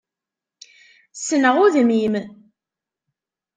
Ssneɣ udem-im.